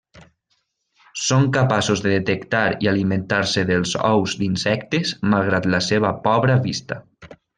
Són capaços de detectar i alimentar-se dels ous d'insectes, malgrat la seva pobra vista.